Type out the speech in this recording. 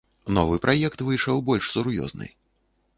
Новы праект выйшаў больш сур'ёзны.